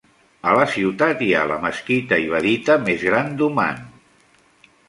A la ciutat hi ha la mesquita ibadita més gran d'Oman.